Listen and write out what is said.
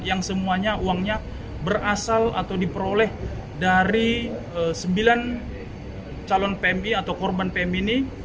yang semuanya uangnya berasal atau diperoleh dari sembilan calon pmi atau korban pmi ini